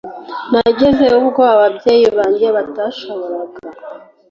Nageze ubwo ababyeyi banjye batashoboraga